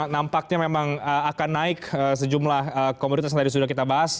nampaknya memang akan naik sejumlah komoditas yang tadi sudah kita bahas